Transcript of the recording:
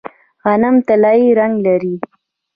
غنم طلایی رنګ لري.